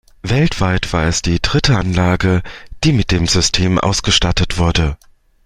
Weltweit war es die dritte Anlage, die mit dem System ausgestattet wurde.